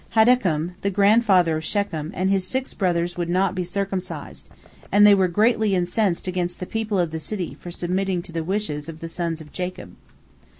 Haddakum, the grandfather of Shechem, and his six brothers would not be circumcised, and they were greatly incensed against the people of the city for submitting to the wishes of the sons of Jacob.